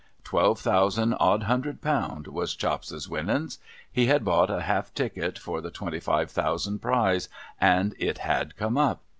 ' Twelve thousand odd hundred pound, was Chops's winnins. He had bought a half ticket for the twenty five thousand prize, and it SPLENDOUR OF MR. CHOPS 189 had come up.